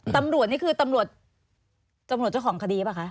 ตำรวจนี่คือตำรวจเจ้าของคดีเปล่าคะ